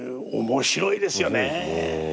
面白いですね。